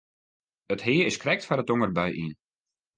It hea is krekt foar de tongerbui yn.